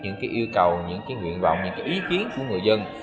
những cái yêu cầu những cái nguyện vọng những cái ý kiến của người dân